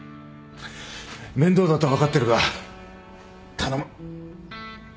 面倒だとは分かってるが頼む。